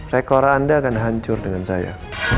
rekor anda akan hancur dengan saya